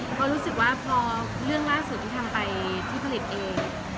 เพราะรู้สึกว่าพอเรื่องล่าสุดที่ทำไปที่ผลิตเอง